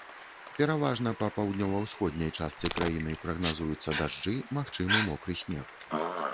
Пераважна па паўднёва-ўсходняй частцы краіны прагназуюцца дажджы, магчымы мокры снег.